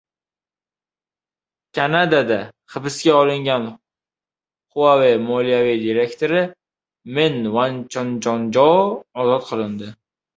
Kanadada hibsga olingan Huawei moliyaviy direktori Men Vanchjou ozod qilindi